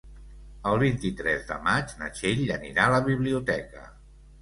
El vint-i-tres de maig na Txell anirà a la biblioteca.